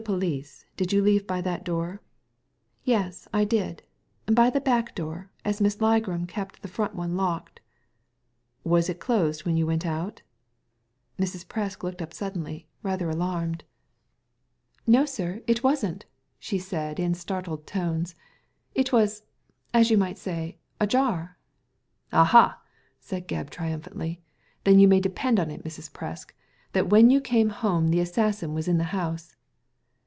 police did you leave by that door ?" "Yes, I did; by the back door, as Miss Ligram kept the front one locked." "Was it closed when you went out?" Mrs. Presk looked up suddenly, rather alarmed. Digitized by Google 22 THE LADY FROM NOWHERE No sir, it wasn't," said she in startled tones, it was — as you might say — ajar." " Aha !" said Gebb, triumphantly, " then you may depend upon it, Mrs. Presk, that when you came home the assassin was in the house."